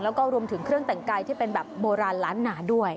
แล้วก็รวมถึงเครื่องแต่งกายที่เป็นแบบโบราณล้านหนาด้วย